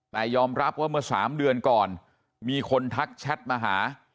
แต่ยอมรับว่าเมื่อ๓เดือนก่อนมีคนทักแชทมาหา